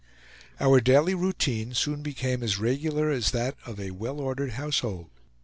Our daily routine soon became as regular as that of a well ordered household.